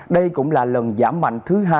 đây cũng là lần giảm mạnh thứ hai